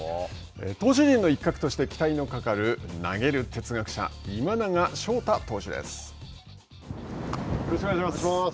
投手陣の一角として、期待のかかる、投げる哲学者、よろしくお願いします。